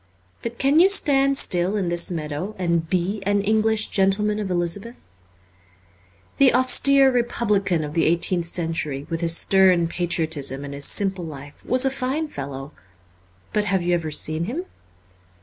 But can you stand still in this meadow and be an English gentleman of Elizabeth ? The austere re publican of the eighteenth century, with his stern patriotism and his simple life, was a fine fellow. But have you ever seen him